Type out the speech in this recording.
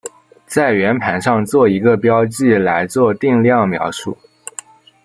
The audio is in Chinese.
在圆盘上做一个标记来做定量描述。